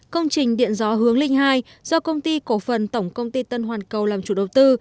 công trình điện gió hướng linh hai do công ty cổ phần tổng công ty tân hoàn cầu làm chủ đầu tư